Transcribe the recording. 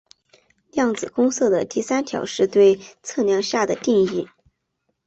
量子公设的第三条是对测量下的定义。